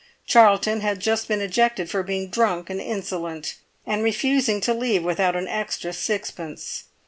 Charlton had just been ejected for being drunk and insolent, and refusing to leave without an extra sixpence.